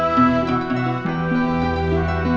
sampai jumpa lagi